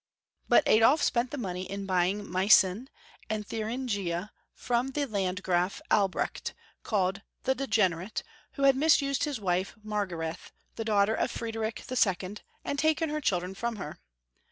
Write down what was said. But Adolf spent the money in buying Meissen and Thuringia from the Landgraf Albrecht, called the Degenerate, who had ;nisused his wife, Margarethe, the daughter of Friedrich II., and taken her children from her.